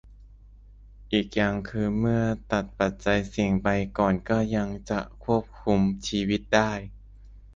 อีกอย่างคือเมื่อตัดปัจจัยเสี่ยงไปก่อนก็ยังจะควบคุมชีวิตได้